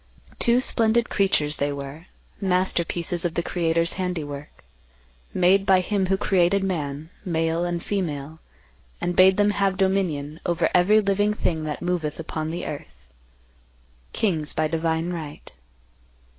Two splendid creatures they were—masterpieces of the Creator's handiwork; made by Him who created man, male and female, and bade them have dominion "over every living thing that moveth upon the earth;" kings by divine right.